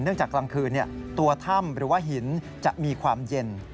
จากกลางคืนตัวถ้ำหรือว่าหินจะมีความเย็น